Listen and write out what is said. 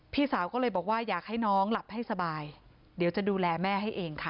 พี่สาวก็เลยบอกว่าอยากให้น้องหลับให้สบายเดี๋ยวจะดูแลแม่ให้เองค่ะ